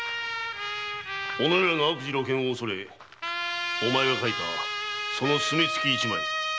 おのれらの悪事の露見を恐れお前が書いたその墨つき一枚。